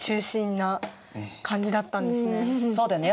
そうだね。